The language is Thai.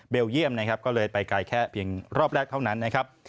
เยี่ยมนะครับก็เลยไปไกลแค่เพียงรอบแรกเท่านั้นนะครับ